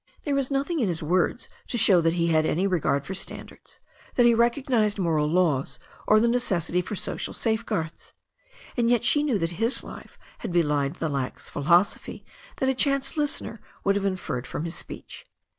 There was nothing in his THE STORY OF A NEW ZEALAND RIVER 333 words to show that he had any regard for standards, that he recognized moral laws or the necessity for social safe guards. And yet she knew that his life had belied the lax philosophy that a chance listener would have inferred from his speech.